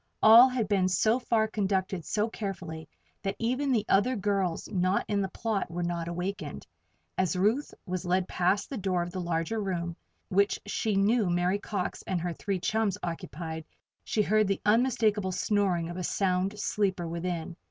All had been so far conducted so carefully that even the other girls not in the plot were not awakened. As Ruth was led past the door of the larger room, which she knew Mary Cox and her three chums occupied, she heard the unmistakable snoring of a sound sleeper within.